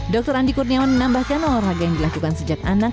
dr andi kurniawan menambahkan olahraga yang dilakukan sejak anak